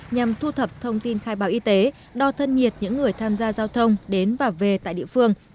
nhằm thu thập thông tin khai báo y tế đo thân nhiệt những người tham gia giao thông đến và về tại địa phương